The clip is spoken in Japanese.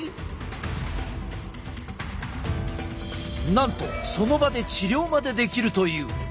なんとその場で治療までできるという。